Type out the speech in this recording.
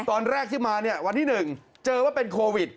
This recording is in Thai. ตอนแรกที่มาเนี่ยวันที่๑เจอว่าเป็นโควิด